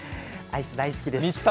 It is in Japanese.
アイス大好きです。